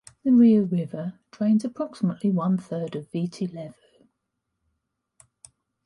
The Rewa River drains approximately one-third of Viti Levu.